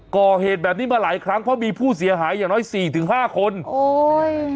ก่อเหตุแบบนี้มาหลายครั้งเพราะมีผู้เสียหายอย่างน้อยสี่ถึงห้าคนโอ้ย